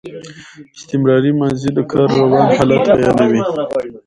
استمراري ماضي د کار روان حالت بیانوي.